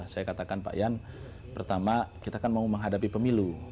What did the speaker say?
saya katakan pak yan pertama kita kan mau menghadapi pemilu